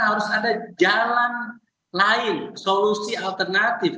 harus ada jalan lain solusi alternatif